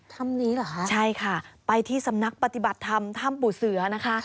ถ้ำนี้เหรอคะใช่ค่ะไปที่สำนักปฏิบัติธรรมถ้ำปู่เสือนะคะ